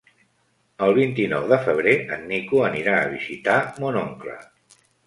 El vint-i-nou de febrer en Nico anirà a visitar mon oncle.